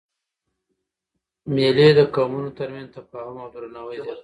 مېلې د قومونو تر منځ تفاهم او درناوی زیاتوي.